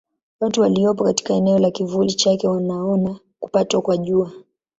Watu waliopo katika eneo la kivuli chake wanaona kupatwa kwa Jua.